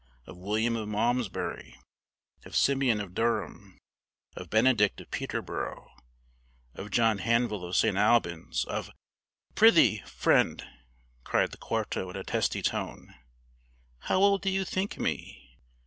Of William of Malmsbury of Simeon of Durham of Benedict of Peterborough of John Hanvill of St. Albans of " "Prithee, friend," cried the quarto in a testy tone, "how old do you think me?